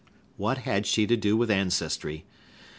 What had she to do with ancestry?